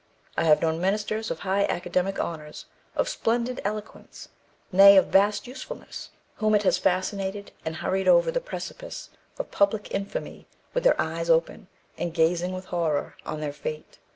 I have known ministers of high academic honours, of splendid eloquence, nay, of vast usefulness, whom it has fascinated, and hurried over the precipice of public infamy with their eyes open, and gazing with horror on their fate.